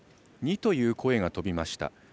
２という声が飛びました。